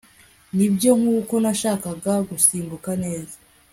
Nibyo nkuko nashakaga gusimbuka neza